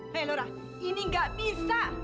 hei lora ini gak bisa